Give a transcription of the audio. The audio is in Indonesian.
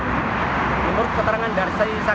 dan menurut keterangan dari saya